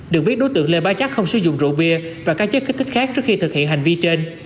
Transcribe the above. được biết đối tượng lê bá chắc không sử dụng rượu bia và các chất kích thích khác trước khi thực hiện hành vi trên